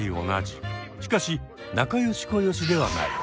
しかし仲良しこよしではない。